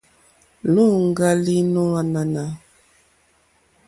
Luùŋga li nò ànànà.